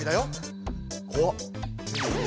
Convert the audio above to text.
怖っ！